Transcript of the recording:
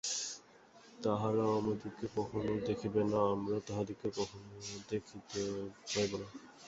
তাহারাও আমাদিগকে কখনও দেখিবে না, আমরাও তাহাদিগকে কখনও দেখিতে পাইব না।